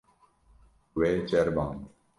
We ceriband.